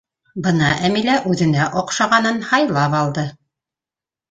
Бына Әмилә үҙенә оҡшағанын һайлап алды.